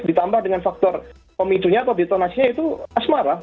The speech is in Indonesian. ditambah dengan faktor komitunya atau detonasinya itu asmara